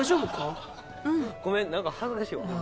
「ごめんなんか恥ずかしいわ」